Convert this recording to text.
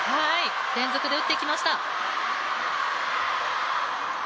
連続で打ってきました。